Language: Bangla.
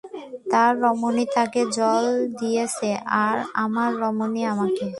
তার রমণী তাকে জল দিয়েছে, আর আমার রমণী আমাকে।